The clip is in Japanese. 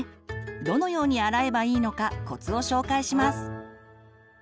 どのように洗えばいいのかコツを紹介します。